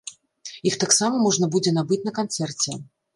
Іх таксама можна будзе набыць на канцэрце.